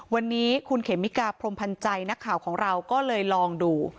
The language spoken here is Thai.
วันนี้คุณเขมิกาพรมพันธ์ใจนักข่าวของเราก็เลยลองดู